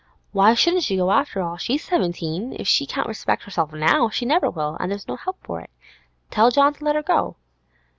Why shouldn't she go, after all? She's seventeen; if she can't respect herself now, she never will, and there's no help for it. Tell John to let her go.